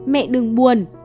mẹ đừng buồn